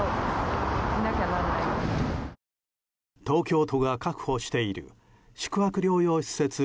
東京都が確保している宿泊療養施設